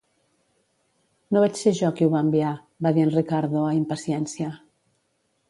"No vaig ser jo qui ho va enviar", va dir en Ricardo a impaciència.